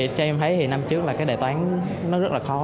cho em thấy thì năm trước là cái đề toán nó rất là khó